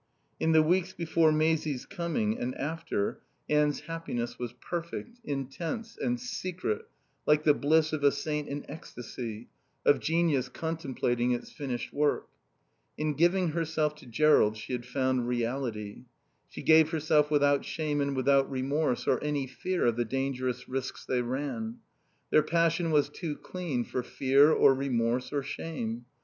In the weeks before Maisie's coming and after, Anne's happiness was perfect, intense and secret like the bliss of a saint in ecstasy, of genius contemplating its finished work. In giving herself to Jerrold she had found reality. She gave herself without shame and without remorse, or any fear of the dangerous risks they ran. Their passion was too clean for fear or remorse or shame.